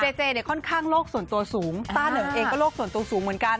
เจเจเนี่ยค่อนข้างโลกส่วนตัวสูงต้าเหนิงเองก็โลกส่วนตัวสูงเหมือนกัน